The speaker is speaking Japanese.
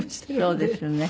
そうですね。